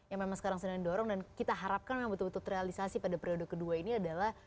yang memang sekarang sedang didorong dan kita harapkan memang betul betul terrealisasi pada periode kedua ini adalah